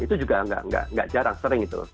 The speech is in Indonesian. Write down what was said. itu juga nggak jarang sering itu